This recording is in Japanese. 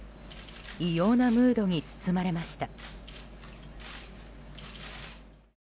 異様なムードに包まれました。